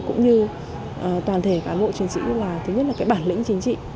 cũng như toàn thể cả bộ chính trị thứ nhất là bản lĩnh chính trị